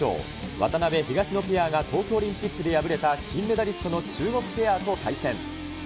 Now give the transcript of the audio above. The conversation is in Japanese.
渡辺・東野ペアが東京オリンピックで敗れた金メダリストの中国ペアと対戦。